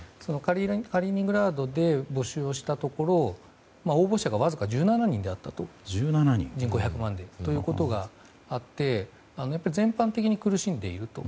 カリーニングラードで募集をしたところ応募者がわずか１７人だったということがあってやっぱり、全般的に苦しんでいると。